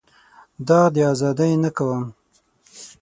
داغ د ازادۍ نه کوم.